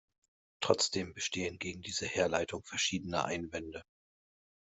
Trotzdem bestehen gegen diese Herleitung verschiedene Einwände.